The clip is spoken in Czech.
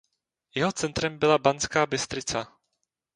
Jeho centrem byla Banská Bystrica.